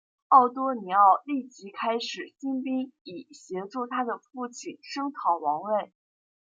奥多尼奥立即开始兴兵以协助他的父亲声讨王位。